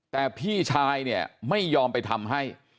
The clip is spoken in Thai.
แต่พี่ชายเนี่ยไม่ยอมไปทำให้